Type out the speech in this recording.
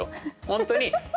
本当に。